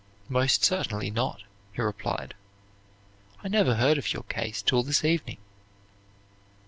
"Most certainly not," he replied, "I never heard of your case till this evening."